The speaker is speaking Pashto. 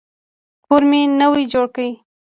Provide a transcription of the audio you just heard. کور مي نوی جوړ کی.